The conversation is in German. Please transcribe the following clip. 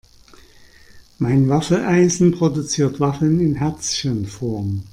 Mein Waffeleisen produziert Waffeln in Herzchenform.